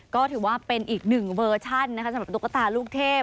ก็ถือว่าเป็นอีกหนึ่งเวอร์ชั่นนะคะสำหรับตุ๊กตาลูกเทพ